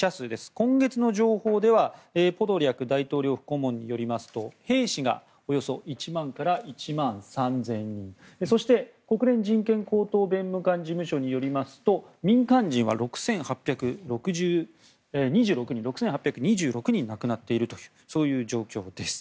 今月の情報ではポドリャク大統領顧問によりますと兵士がおよそ１万から１万３０００人国連人権高等弁務官事務所によりますと民間人は６８２６人が亡くなっているという状況です。